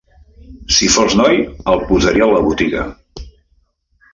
Si fos noi, el posaria a la botiga;